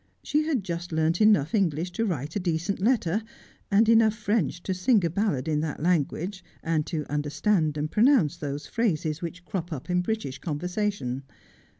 She had just learnt enough English to write a decent letter, and enough French to sing a ballad in that language, and to understand and pronounce those phrases which crop up in British conversation.